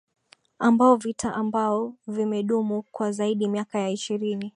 ambao vita ambao vimedumu kwa zaidi miaka ya ishirini